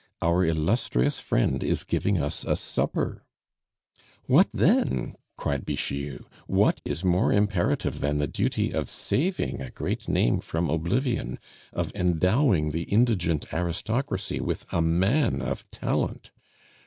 Our illustrious friend is giving us a supper." "What then!" cried Bixiou; "what is more imperative than the duty of saving a great name from oblivion, of endowing the indigent aristocracy with a man of talent?